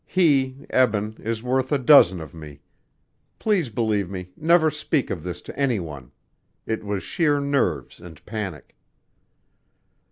He, Eben, is worth a dozen of me.... Please believe me, never speak of this to anyone. It was sheer nerves and panic."